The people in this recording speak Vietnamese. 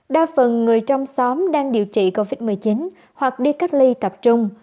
đa phần người trong xóm đang điều trị covid một mươi chín hoặc đi cách ly tập trung